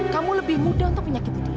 kamu lebih mudah untuk menyakiti dia